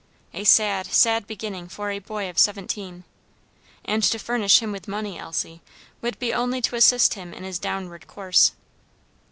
A sad, sad beginning for a boy of seventeen. And to furnish him with money, Elsie, would be only to assist him in his downward course."